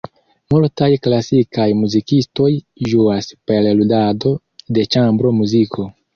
Multaj klasikaj muzikistoj ĝuas per ludado de ĉambra muziko.